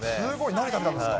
何食べたんですか？